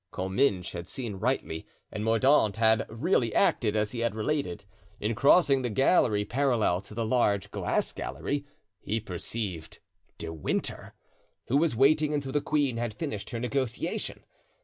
Comminges had seen rightly, and Mordaunt had really acted as he had related. In crossing the gallery parallel to the large glass gallery, he perceived De Winter, who was waiting until the queen had finished her negotiation.